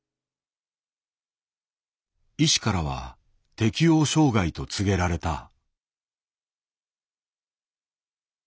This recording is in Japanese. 医師からは適応障害と告げられた。